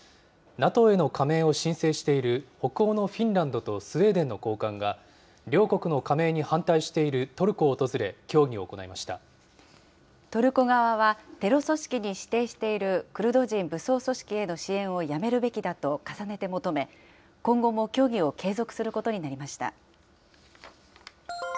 ＮＡＴＯへの加盟を申請している北欧のフィンランドとスウェーデンの高官が、両国の加盟に反対しているトルコを訪れ、協議を行いトルコ側は、テロ組織に指定しているクルド人武装組織への支援をやめるべきだと重ねて求め、今後も協議を継続することになりました。